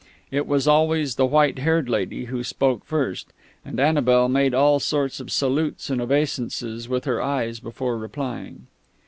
It was always the white haired lady who spoke first, and Annabel made all sorts of salutes and obeisances with her eyes before replying.